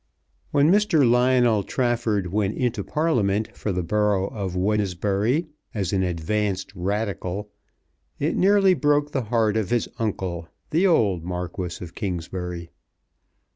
When Mr. Lionel Trafford went into Parliament for the Borough of Wednesbury as an advanced Radical, it nearly broke the heart of his uncle, the old Marquis of Kingsbury.